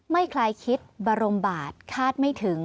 ไม่คล้ายคิดบารมบาตคาดไม่ถึง